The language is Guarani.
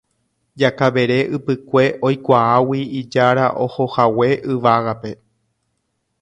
Jakavere Ypykue oikuaágui ijára ohohague yvágape